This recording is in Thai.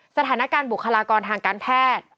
สถานการณ์บุคลากรทางการแพทย์